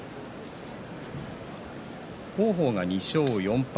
王鵬が２勝４敗。